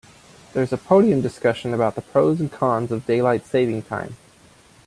There's a podium discussion about the pros and cons of daylight saving time.